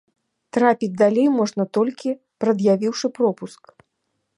Трапіць далей можна толькі прад'явіўшы пропуск.